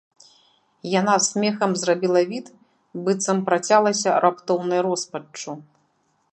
Яна смехам зрабіла від, быццам працялася раптоўнай роспаччу.